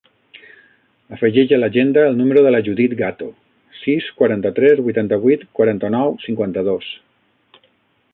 Afegeix a l'agenda el número de la Judith Gato: sis, quaranta-tres, vuitanta-vuit, quaranta-nou, cinquanta-dos.